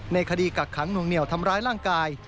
ในคดีกักขังหน่วงเหนียวทำร้ายร่างกาย